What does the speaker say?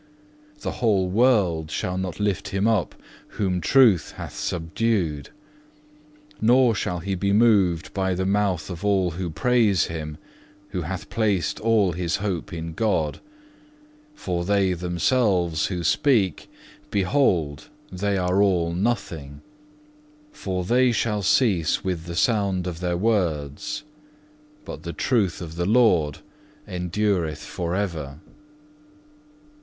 The whole world shall not lift him up whom Truth hath subdued; nor shall he be moved by the mouth of all who praise him, who hath placed all his hope in God. For they themselves who speak, behold, they are all nothing; for they shall cease with the sound of their words, but the truth of the Lord endureth for ever.